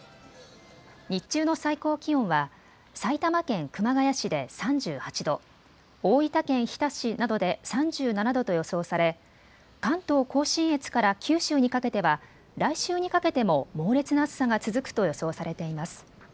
日中の最高気温は埼玉県熊谷市で３８度、大分県日田市などで３７度と予想され関東甲信越から九州にかけては来週にかけても猛烈な暑さが続くと予想されています。